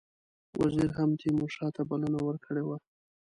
وزیر هم تیمورشاه ته بلنه ورکړې وه.